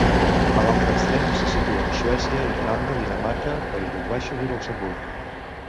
A l'altre extrem se situen Suècia, Irlanda, Dinamarca, Països Baixos i Luxemburg.